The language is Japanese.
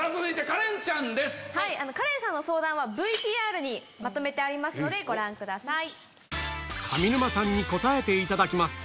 カレンさんの相談はＶＴＲにまとめてありますのでご覧ください。